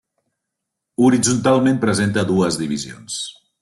Horitzontalment presenta dues divisions.